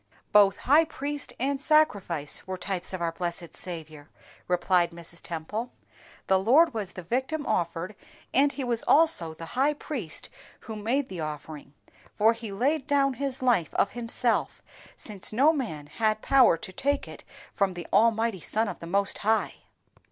"Both high priest and sacrifice were types of our blessed Saviour," replied Mrs. Temple. "The Lord was the victim offered, and He was also the high priest who made the offering, for He laid down His life of Himself, since no man had power to take it from the Almighty Son of the Most High."